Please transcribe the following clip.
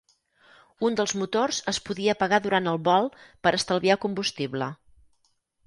Un dels motors es podia apagar durant el vol per estalviar combustible.